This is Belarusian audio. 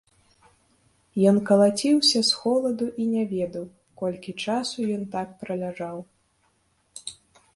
Ён калаціўся з холаду і не ведаў, колькі часу ён так праляжаў.